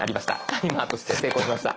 タイマーとして成功しました。